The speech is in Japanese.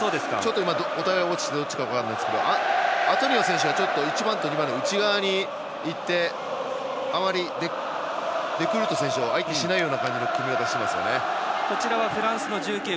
お互い、落ちてどっちか分からないですがアトニオ選手が１番と２番の内側にいてデグルート選手を相手にしないような感じの組み方ですね。